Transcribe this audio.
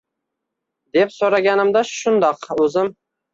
deb so`raganimda Shundoq o`zim